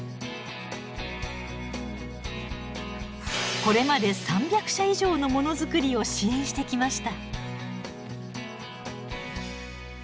これまで３００社以上のものづくりを支援してきました。